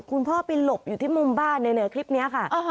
คุณพ่อไปหลบอยู่ที่มุมบ้านเหนือคลิปนี้ค่ะ